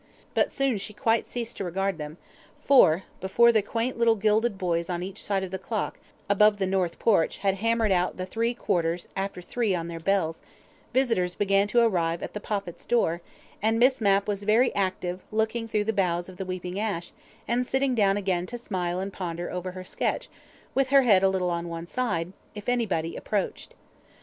But soon she quite ceased to regard them, for, before the quaint little gilded boys on each side of the clock above the north porch had hammered out the three quarters after three on their bells, visitors began to arrive at the Poppits's door, and Miss Mapp was very active looking through the boughs of the weeping ash and sitting down again to smile and ponder over her sketch with her head a little on one side, if anybody approached.